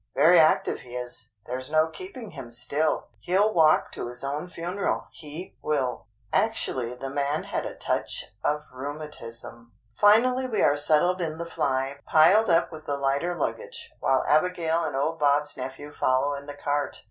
Very active he is, there's no keeping him still. He'll walk to his own funeral, he will." Actually the man had a touch of rheumatism! Finally we are settled in the fly, piled up with the lighter luggage, while Abigail and old Bob's nephew follow in the cart.